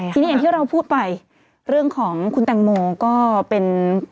ทีนี้อย่างที่เราพูดไปเรื่องของคุณแตงโมก็เป็น